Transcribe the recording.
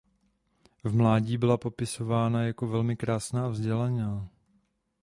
V mládí byla popisována jako "velmi krásná a vzdělaná".